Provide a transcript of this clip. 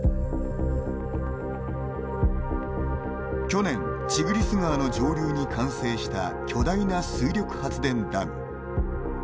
去年、チグリス川の上流に完成した巨大な水力発電ダム。